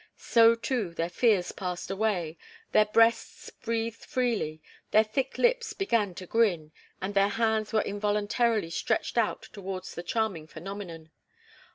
So, too, their fears passed away, their breasts breathed freely; their thick lips began to grin and their hands were involuntarily stretched out towards the charming phenomenon.